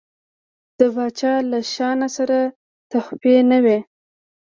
د پاچا له شانه سره تحفې نه وي.